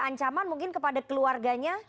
ancaman mungkin kepada keluarganya